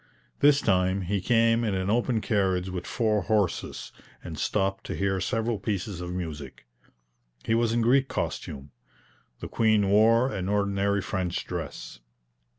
This time he came in an open carriage with four horses, and stopped to hear several pieces of music. He was in Greek costume; the Queen wore an ordinary French dress.